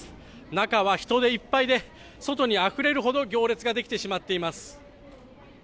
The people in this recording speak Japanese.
中は人でいっぱいで外にあふれるほど行列ができてしまっています。